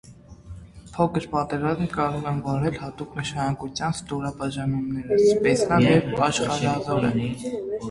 Փոքր պատերազմ կարող են վարել հատուկ նշանակության ստորաբաժանումները (սպեցնազ) և աշխարհազորը։